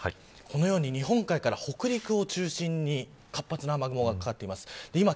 このように日本海から北陸を中心に活発な雨雲がかかっています。